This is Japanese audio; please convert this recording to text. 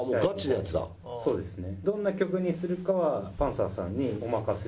そうですね。